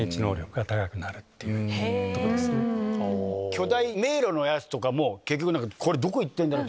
巨大迷路のやつとかも結局どこ行ってんだろう？って